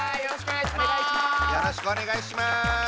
よろしくお願いします！